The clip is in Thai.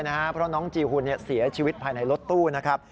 เพราะน้องจีหุ่นเสียชีวิตภายในรถตู้นะครับ